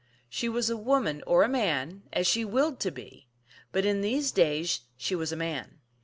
She was a woman or a man as she willed to be ; but in these days she was a man.